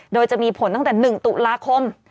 โดยจะมีผลตั้งแต่๑ตุลาคม